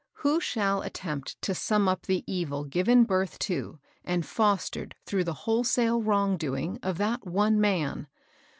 Who shall attempt to sum up the evil given birth to and fostered through the wholesale wrong doing of that one man